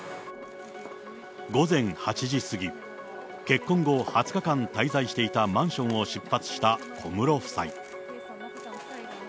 午前８時過ぎ、結婚後、２０日間滞在していたマンションを出発した小室夫妻。